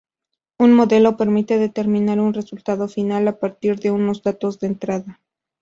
Un modelo permite determinar un resultado final a partir de unos datos de entrada.